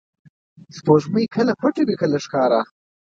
• سپوږمۍ کله پټه وي، کله ښکاره.